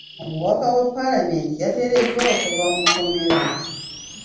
Omubaka wa paalamenti yateereddwa okuva mu kkomera.